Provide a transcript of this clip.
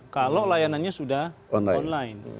kalau layanannya sudah online